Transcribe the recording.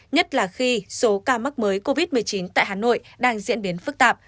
nhất là khi số ca mắc mới covid một mươi chín tại hà nội đang diễn biến phức tạp